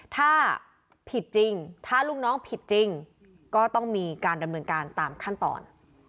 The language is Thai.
ถ้าผิดจริงถ้าลูกน้องผิดจริงก็ต้องมีการดำเนินการตามขั้นตอน